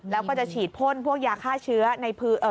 แล้วก็จะฉีดพ่นพวกยาฆ่าเชื้อใน